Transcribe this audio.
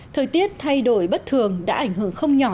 thời tiết thay đổi bất thường đã ảnh hưởng không nhỏ